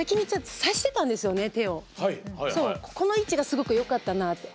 この位置がすごくよかったなって。